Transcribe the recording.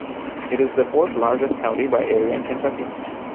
It is the fourth-largest county by area in Kentucky.